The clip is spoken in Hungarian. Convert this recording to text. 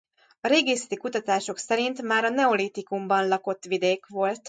A régészeti kutatások szerint már a neolitikumban lakott vidék volt.